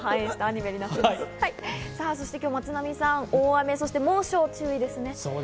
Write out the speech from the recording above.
そして今日は松並さん、大雨、猛暑、注意ですね。